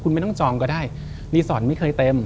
คุณไม่ต้องจองก็ได้รีสอร์ทไม่เคยเต็ม